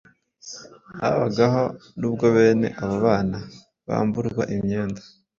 Habagaho n'ubwo bene abo bana bamburwa imyenda